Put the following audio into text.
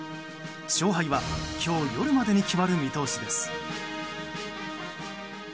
勝敗は今日夜までに決まる見通しです。